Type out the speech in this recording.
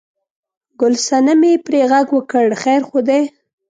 ګل صنمې پرې غږ وکړ: خیر خو دی؟